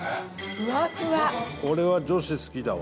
富澤：これは女子、好きだわ。